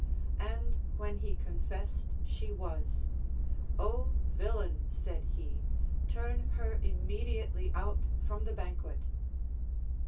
And when he confessed she was ; Ο villain, said he, turn her immediately out from the banquet.